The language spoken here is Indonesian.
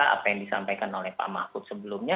apa yang disampaikan oleh pak mahfud sebelumnya